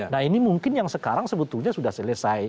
nah ini mungkin yang sekarang sebetulnya sudah selesai